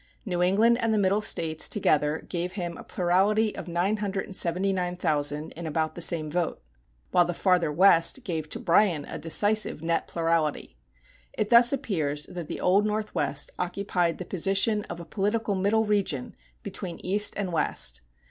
New England and the Middle States together gave him a plurality of 979,000 in about the same vote, while the farther West gave to Bryan a decisive net plurality. It thus appears that the Old Northwest occupied the position of a political middle region between East and West.